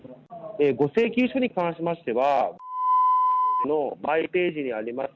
ご請求書に関しましては、×××のマイページにあります